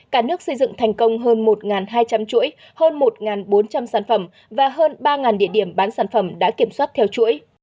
cả nước xây dựng thành công hơn một hai trăm linh chuỗi hơn một bốn trăm linh sản phẩm và hơn ba địa điểm bán sản phẩm đã kiểm soát theo chuỗi